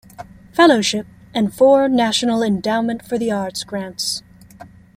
Fellowship, and four National Endowment for the Arts grants.